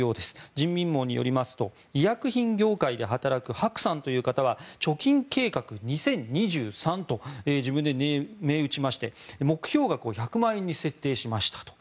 人民網によりますと医薬品業界で働くハクさんという方は貯金計画２０２３と自分で銘打ちまして目標額を１００万円に設定しましたと。